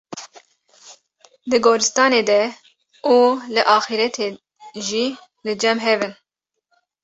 di gorîstanê de û li axîretê jî li cem hev in.